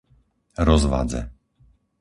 Rozvadze